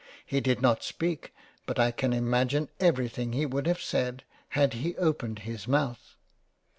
He did not speak ; but I can imagine everything he would have said, had he opened his Mouth.